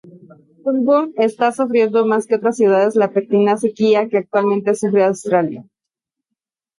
Goulburn está sufriendo más que otras ciudades la pertinaz sequía que actualmente sufre Australia.